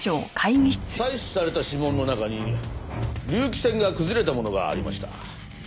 採取された指紋の中に隆起線が崩れたものがありました。